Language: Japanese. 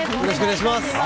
よろしくお願いします。